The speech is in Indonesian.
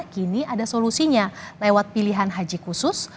kini ada solusinya lewat pilihan haji khusus